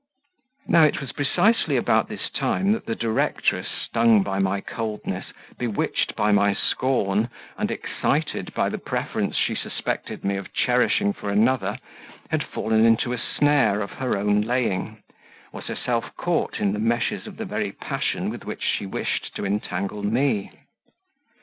Now, it was precisely about this time that the directress, stung by my coldness, bewitched by my scorn, and excited by the preference she suspected me of cherishing for another, had fallen into a snare of her own laying was herself caught in the meshes of the very passion with which she wished to entangle me.